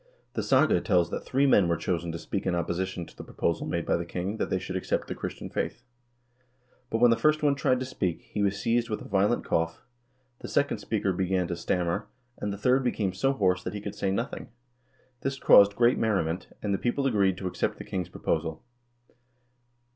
The saga * tells that three men were chosen to speak in opposition to the proposal made by the king that they should accept the Christian faith. But when the first one tried to speak, he was seized with a violent cough, the second speaker began to stammer, and the third became so hoarse that he could say nothing. This caused great merriment, and the people agreed to accept the king's proposal.